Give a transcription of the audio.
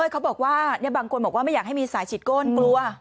เขาบอกว่าบางคนบอกว่าไม่อยากให้มีสายฉีดก้นกลัว